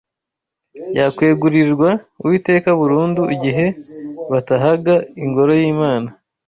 yakwegurirwa Uwiteka burundu igihe batahaga ingoro y’Imana